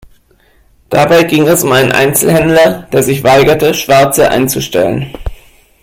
Dabei ging es um einen Einzelhändler, der sich weigerte, Schwarze einzustellen.